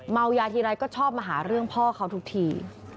เมายาทีไรก็ชอบมาหาเรื่องพ่อเขาทุกที